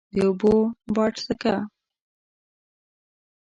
د اوبو باډسکه،